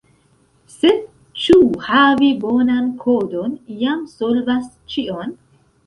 Sed ĉu havi bonan kodon jam solvas ĉion?